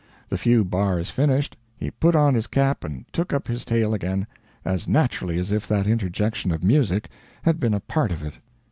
The few bars finished, he put on his cap and took up his tale again, as naturally as if that interjection of music had been a part of it.